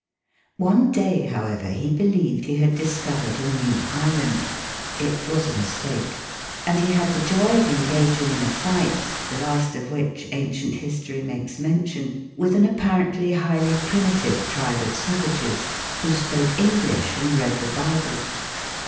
One day, however, he believed he had discovered a new island it was a mistake and he had the joy of engaging in a fight, the last of which ancient history makes mention, with an apparently highly primitive tribe of savages, who spoke English and read the Bible.